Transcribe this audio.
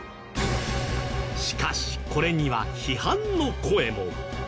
しかしこれには批判の声も